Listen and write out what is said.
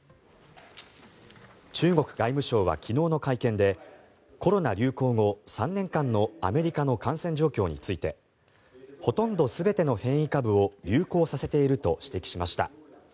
中国外務省は昨日の会見でコロナ流行後３年間のアメリカの感染状況についてほとんど全ての変異株を流行させていると指摘しました。